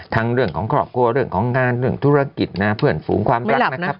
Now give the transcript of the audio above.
เรื่องของครอบครัวเรื่องของงานเรื่องธุรกิจนะเพื่อนฝูงความรักนะครับ